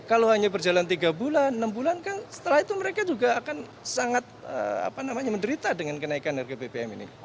kalau hanya berjalan tiga bulan enam bulan kan setelah itu mereka juga akan sangat menderita dengan kenaikan harga bbm ini